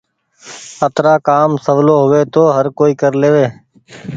اترآ ڪآم سولو هووي تو هر ڪو ڪر ليوي۔